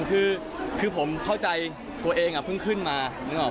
คือผมเข้าใจตัวเองพึ่งขึ้นมา